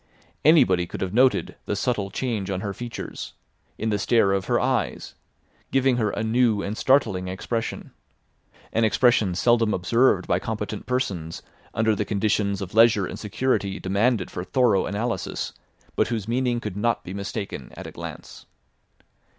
Anybody could have noted the subtle change on her features, in the stare of her eyes, giving her a new and startling expression; an expression seldom observed by competent persons under the conditions of leisure and security demanded for thorough analysis, but whose meaning could not be mistaken at a glance.